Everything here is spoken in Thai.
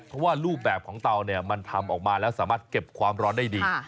เพราะว่ารูปแบบของเตาเนี่ยมันทำออกมาแล้วสามารถเก็บความร้อนได้ดี